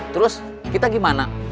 terus kita gimana